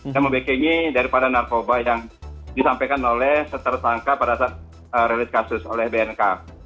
dan membekingi daripada narkoba yang disampaikan oleh tersangka pada saat relit kasus oleh bnk